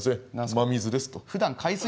真水です。